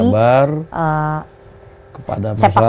kita sabar kepada masyarakat